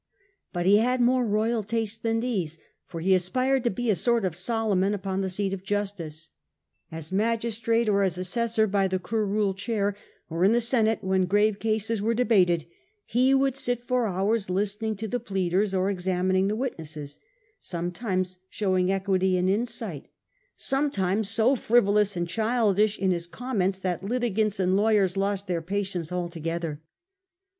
But he had more royal tastes than these, for he aspired to be a sort of Solomon upon the seat of justice. As His love for "i^gistrate or as assessor by the curule chair judicial or in the Senate, when grave cases were de work, bated, he would sit for hours listening to the pleaders or examining the witnesses, sometimes showing equity and insight, sometimes so frivolous and childish in his comments, that litigants and lawyers lost their patience altogether.